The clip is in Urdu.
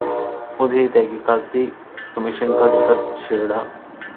خود ہی تحقیقاتی کمیشن کا ذکر چھیڑا۔